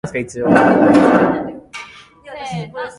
想いは次第に大きくなる